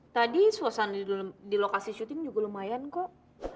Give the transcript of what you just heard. tadi suasana di lokasi syuting juga lumayan kok